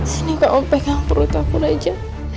sini kamu pegang perut aku raja